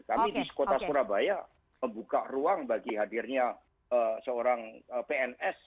kami di kota surabaya membuka ruang bagi hadirnya seorang pns